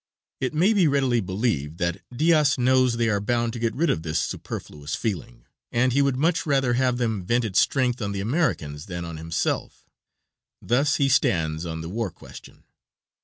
It may be readily believed that Diaz knows they are bound to get rid of this superfluous feeling, and he would much rather have them vent its strength on the Americans than on himself; thus he stands on the war question.